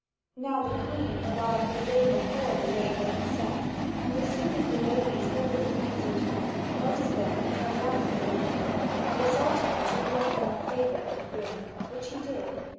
Now the Queen arrived before the date they had set, and as soon as the ladies heard of the Queen's return, most of them came at once to the King and besought him to grant them a favour and boon, which he did.